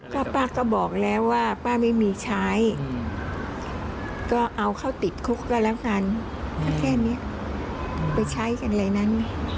ก็ป้าก็บอกแล้วว่าป้าไม่มีใช้ก็เอาเขาติดคุกก็แล้วกันก็แค่นี้ไปใช้กันอะไรนั้น